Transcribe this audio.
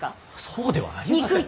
そうではありません。